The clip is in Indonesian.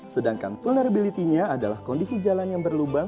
sedangkan vulnerability nya adalah kondisi jalan yang berlubang